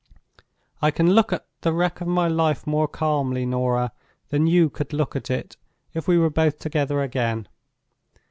I can look at the wreck of my life more calmly, Norah, than you could look at it if we were both together again.